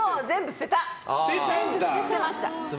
捨てました。